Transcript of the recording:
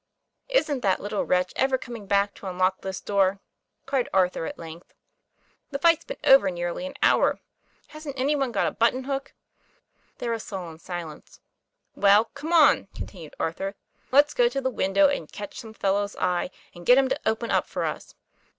"Isn't that little wretch ever coming back to un lock this door?" cried Arthur, at length. 'The fight's been over nearly an hour. Hasn't any one got a button hook ?" There was a sullen silence. "Well, come on," continued Arthur, "let's go to the window, and catch some fellow's eye, and get him to open up for us."